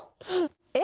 えっ？